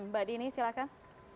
mbak dini silakan